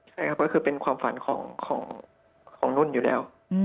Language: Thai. ใช่ครับก็คือเป็นความฝันของนุ่นอยู่แล้ว